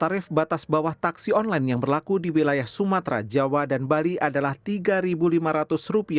per satu juli dua ribu tujuh belas tarif batas bawah taksi online yang berlaku di wilayah sumatera jawa dan bali adalah rp tiga lima ratus